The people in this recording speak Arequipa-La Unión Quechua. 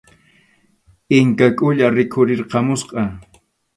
Inka Qulla rikhurirqamusqa.